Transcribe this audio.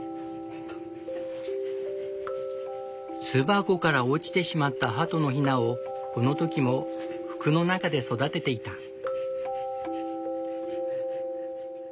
巣箱から落ちてしまったハトのヒナをこの時も服の中で育てていた。